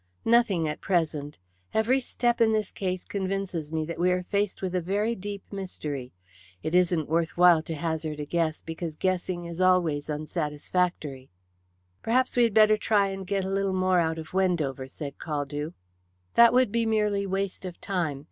"Nothing at present. Every step in this case convinces me that we are faced with a very deep mystery. It isn't worth while to hazard a guess, because guessing is always unsatisfactory." "Perhaps we had better try and get a little more out of Wendover," said Caldew. "That would be merely waste of time.